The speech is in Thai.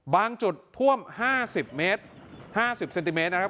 บางจุดท่วมห้าสิบเมตรห้าสิบเซนติเมตรนะครับ